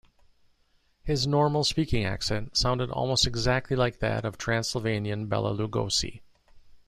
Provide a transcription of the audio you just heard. His normal speaking accent sounded almost exactly like that of Transylvanian Bela Lugosi.